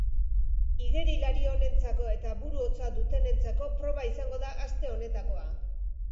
Igerilari onentzako eta buru hotza dutenentzako proba izango da aste honetakoa.